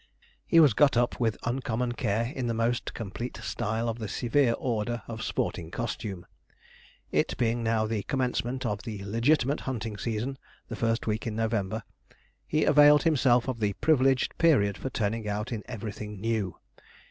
He was 'got up' with uncommon care in the most complete style of the severe order of sporting costume. It being now the commencement of the legitimate hunting season the first week in November he availed himself of the privileged period for turning out in everything new.